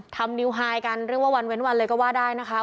นิวไฮกันเรียกว่าวันเว้นวันเลยก็ว่าได้นะคะ